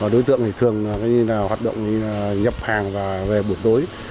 đối tượng thường hoạt động như nhập hàng về buổi tối